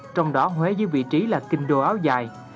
trong đó huế giữ vị trí là kinh đô áo dài